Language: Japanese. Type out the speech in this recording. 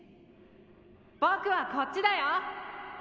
僕はこっちだよ